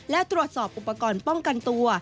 และตรวจสอบอุปกรณ์ป้องกันตัว